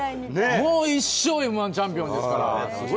もう一生Ｍ−１チャンピオンですから。